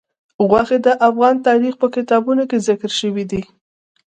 غوښې د افغان تاریخ په کتابونو کې ذکر شوي دي.